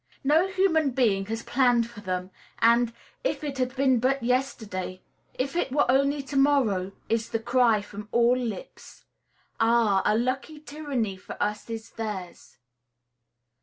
No human being has planned for them then and there. "If it had been but yesterday," "If it were only to morrow," is the cry from all lips. Ah! a lucky tyranny for us is theirs.